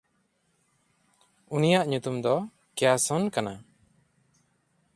ᱩᱱᱤᱭᱟᱜ ᱧᱩᱛᱩᱢ ᱫᱚ ᱠᱮᱭᱟᱥᱚᱱ ᱠᱟᱱᱟ᱾